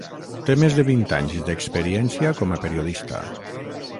Té més de vint anys d’experiència com a periodista.